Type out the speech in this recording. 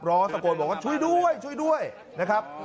ตะโกนบอกว่าช่วยด้วยช่วยด้วยนะครับ